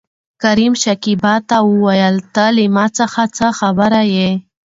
کريم شکيبا ته وويل ته له ما څخه څه خبره يې؟